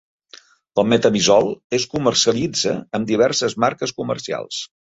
El metamizol es comercialitza amb diverses marques comercials.